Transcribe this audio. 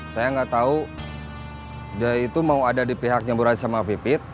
saya enggak tahu dia itu mau ada di pihaknya murad sama pipit